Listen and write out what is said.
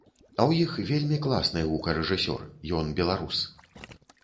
А ў іх вельмі класны гукарэжысёр, ён беларус.